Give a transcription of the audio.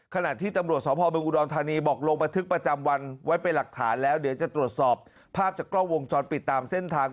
ขณะที่ตำรวจสพเมืองอุดรธานีบอกลงบันทึกประจำวันไว้เป็นหลักฐานแล้วเดี๋ยวจะตรวจสอบภาพจากกล้องวงจรปิดตามเส้นทาง